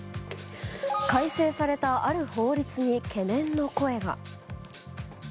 改正された、ある法律に懸念の声が。